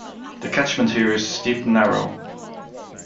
The catchment here is steep and narrow.